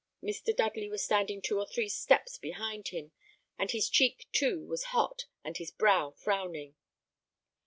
Mr. Dudley was standing two or three steps behind him, and his cheek too was hot, and his brow frowning.